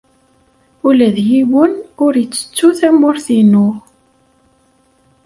Ula d yiwen ur ittettu tamurt-inu.